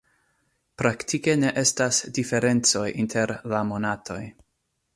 Praktike ne estas diferencoj inter la monatoj.